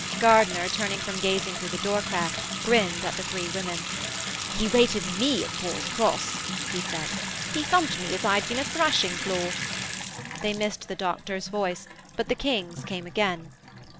Gardiner, turning from gazing through the door crack, grinned at the three women. 'He rated me at Paul's Cross!' he said. 'He thumped me as I had been a thrashing floor.' They missed the Doctor's voice but the King's came again.